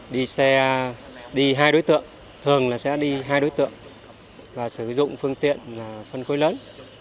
đi xe đi hai đối tượng thường sẽ đi hai đối tượng và sử dụng phương tiện phân khối lớn